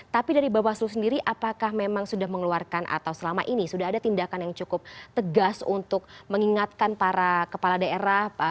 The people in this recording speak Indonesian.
tapi dari bawaslu sendiri apakah memang sudah mengeluarkan atau selama ini sudah ada tindakan yang cukup tegas untuk mengingatkan para kepala daerah